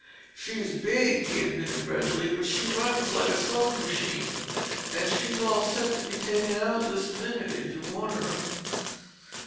"She is big," he admitted readily, "but she runs like a sewing machine and she's all set to be taken out this minute if you want her."